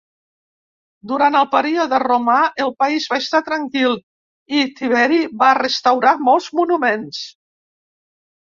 Durant el període romà el país va estar tranquil, i Tiberi va restaurar molts monuments.